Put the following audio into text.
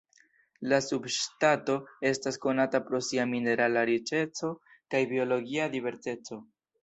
La subŝtato estas konata pro sia minerala riĉeco kaj biologia diverseco.